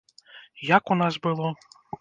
Як у нас было?